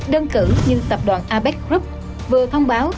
đơn cử như tập đoàn apec group vừa thông báo